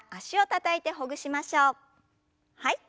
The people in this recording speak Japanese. はい。